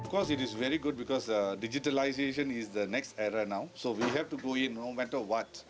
karena digitalisasi adalah era berikutnya jadi kita harus masuk ke sana tidak peduli apa